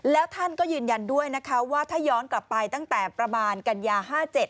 แล้วท่านก็ยืนยันด้วยนะคะว่าถ้าย้อนกลับไปตั้งแต่ประมาณกันยา๕๗